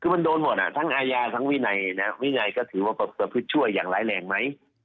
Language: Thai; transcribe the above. คือมันโดนหมดทั้งอาญาทั้งวินัยนะวินัยก็ถือว่าประพฤติช่วยอย่างร้ายแรงไหม